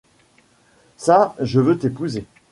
Çà, je veux t’épouser.